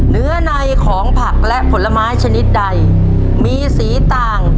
เนื้อในของผักและผลไม้ชนิดใดมีสีต่าง